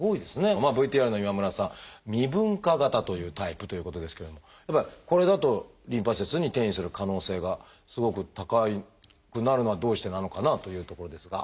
まあＶＴＲの今村さん「未分化型」というタイプということですけれどもこれだとリンパ節に転移する可能性がすごく高くなるのはどうしてなのかなというところですが。